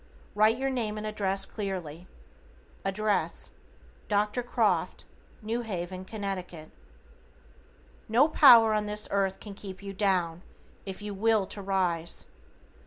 Write your name and address clearly. Address: Dr. Croft, New Haven, Conn. No power on this earth can keep you down, if you WILL to rise.